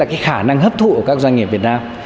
đó chính là khả năng hấp thụ của các doanh nghiệp việt nam